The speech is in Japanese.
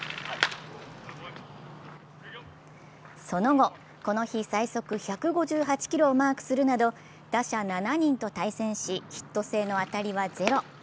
その後この日、最速１５８キロをマークするなど打者７人と対戦しヒット性の当たりはゼロ。